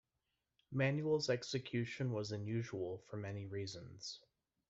Manuel's execution was unusual for many reasons.